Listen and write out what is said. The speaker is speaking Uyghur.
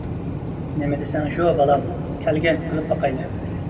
-نېمە دېسەڭ شۇ، بالام، كەلگىن قىلىپ باقايلى.